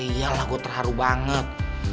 ya iyalah gue terharu banget